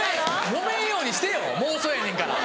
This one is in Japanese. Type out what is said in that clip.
もめんようにしてよ妄想やねんから。